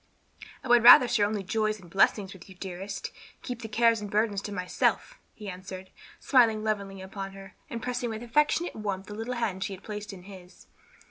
"I would rather share only joys and blessings with you, dearest, and keep the cares and burdens to myself," he answered, smiling lovingly upon her, and pressing with affectionate warmth the little hand she had placed in his.